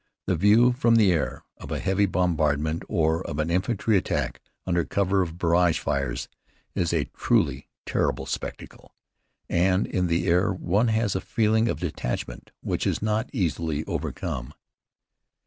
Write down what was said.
The view, from the air, of a heavy bombardment, or of an infantry attack under cover of barrage fires, is a truly terrible spectacle, and in the air one has a feeling of detachment which is not easily overcome.